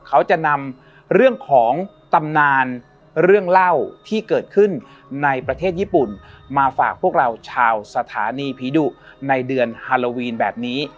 เขาจะนำเรื่องของตำนานเรื่องเล่าที่เกิดขึ้นในประเทศญี่ปุ่นมาฝากพวกเราชาวสถานีผีดุในเดือนฮาโลวีนแบบนี้